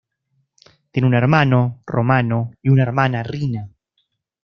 Tiene un hermano, Romano; y una hermana, Rina.